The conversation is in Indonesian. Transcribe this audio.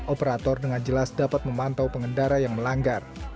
operator dengan jelas dapat memantau pengendara yang melanggar